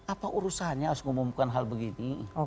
apa urusannya harus mengumumkan hal begini